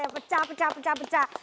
pecah pecah pecah pecah